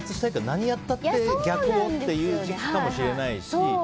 何やったって逆をっていう時期かもしれないし。